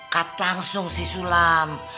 kat prangsuh si sulam